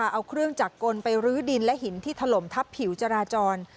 เอาเครื่องจักรกลไปรื้อดินและหินที่ถล่มทับผิวจราจร